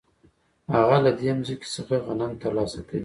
هغه له دې ځمکې څخه غنم ترلاسه کوي